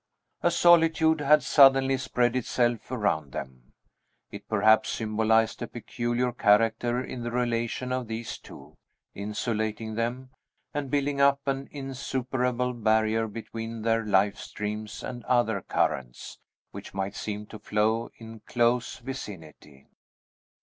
A solitude had suddenly spread itself around them. It perhaps symbolized a peculiar character in the relation of these two, insulating them, and building up an insuperable barrier between their life streams and other currents, which might seem to flow in close vicinity.